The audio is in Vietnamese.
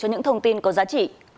cho những thông tin có giá trị